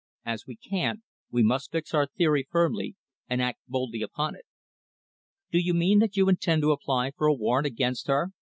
As we can't, we must fix our theory firmly and act boldly upon it." "Do you mean that you intend to apply for a warrant against her?"